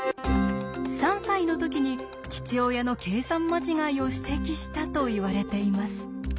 ３歳の時に父親の計算間違いを指摘したといわれています。